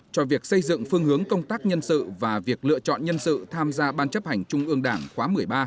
cho việc xây dựng phương hướng công tác nhân sự và việc lựa chọn nhân sự tham gia ban chấp hành trung ương đảng khóa một mươi ba